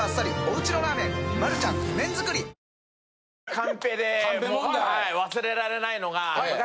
カンペで忘れられないのが昔。